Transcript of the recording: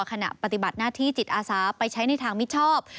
ขณะปฏิบัติหน้าที่จิตอาสาไปใช้ในทางมิชชอบ